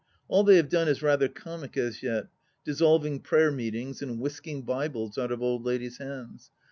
All they have done is rather comic as vet : dissolving prayer meetings and whisking Bibles out of old ladies' hands.